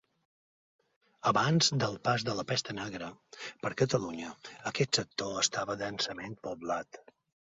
Abans del pas de la Pesta Negra per Catalunya aquest sector estava densament poblat.